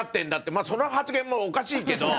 まあ、その発言もおかしいけど。